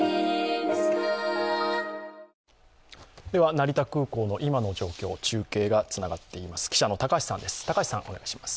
成田空港の今の状況、中継がつながっています。